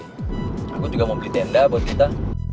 aku juga mau beli tenda buat kita